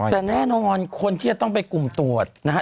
แต่แน่นอนคนที่จะต้องไปกลุ่มตรวจนะฮะ